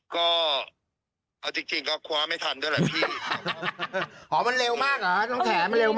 ก็เอาจริงก็คว้าไม่ทันด้วยแหละพี่